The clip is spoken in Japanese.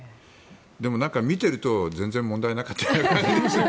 でも見ていると全然問題なかったような感じが。